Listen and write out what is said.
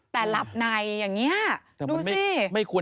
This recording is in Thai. แต่หลับในอย่างนี้